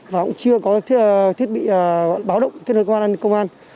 và cũng chưa có thiết bị báo động kết hợp với công an